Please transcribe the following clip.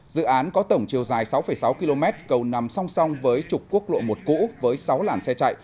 dự án có tổng chiều dài sáu sáu km cầu nằm song song với chục quốc lộ một cũ với sáu làn xe chạy